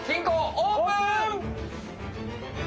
オープン！